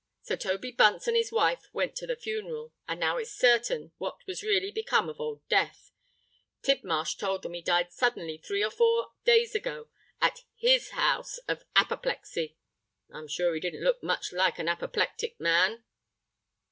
So Toby Bunce and his wife went to the funeral; and now it's certain what has really become of Old Death. Tidmarsh told them he died suddenly three or four days ago at his house—of apoplexy. I'm sure he didn't look much like an apoplectic man."